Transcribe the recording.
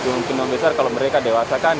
mungkin memang besar kalau mereka dewasa kan